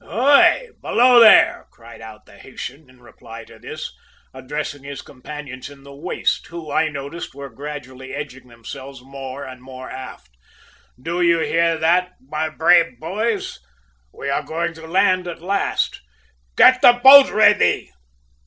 "`_Ohe_, below there!' cried out the Haytian in reply to this, addressing his companions in the waist, who, I noticed, were gradually edging themselves more and more aft. `Do you hear that, my brave boys? We are going to land at last. Get the boat ready!'